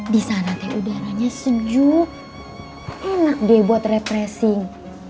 di sana teh udaranya sejuk enak deh buat represing